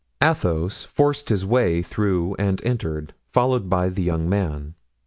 Athos forced his way through and entered, followed by the young man.